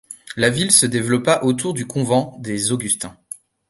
La ville se développa autour du couvent des Augustins.